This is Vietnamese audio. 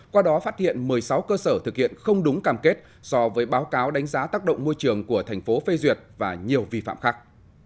qua đó phát hiện một mươi sáu cơ sở thực hiện không đúng cam kết so với báo cáo đánh giá tác động môi trường của thành phố phê duyệt và nhiều vi phạm khác